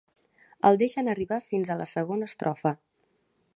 El deixen arribar fins a la segona estrofa.